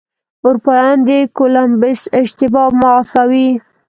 اروپایان د کولمبس اشتباه معافوي.